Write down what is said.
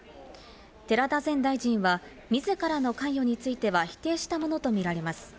寺田前大臣は自らの関与については否定したものと見られます。